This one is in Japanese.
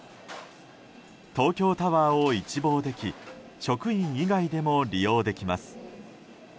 東京タワーを一望でき職員以外でも利用できます。